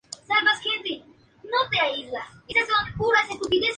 Smith es el guitarrista y el líder del grupo.